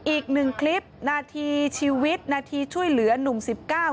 อีกหนึ่งคลิปนาทีชีวิตนาทีช่วยเหลือหนุ่มสิบเก้า